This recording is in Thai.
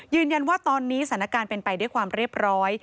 ยืนยันว่าตอนนี้สถานการณ์เป็นไปด้วยความเรียบร้อย